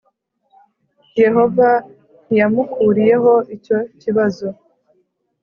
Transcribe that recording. Yehova ntiyamukuriyeho icyo kibazo